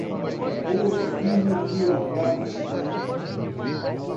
Houve um murmúrio da multidão.